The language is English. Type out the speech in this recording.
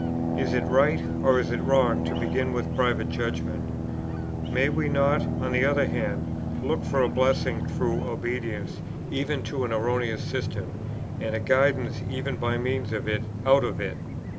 Is it right, or is it wrong, to begin with private judgment? May we not, on the other hand, look for a blessing through obedience even to an erroneous system, and a guidance even by means of it out of it?